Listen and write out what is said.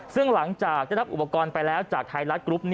ซึ่งหลังจากได้รับอุปกรณ์ไปแล้วจากไทยรัฐกรุ๊ป